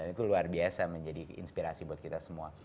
itu luar biasa menjadi inspirasi buat kita semua